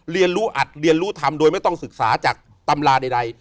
เรียนรู้อัดเรียนรู้ธรรมโดยไม่ต้องศึกษาจากตำราใด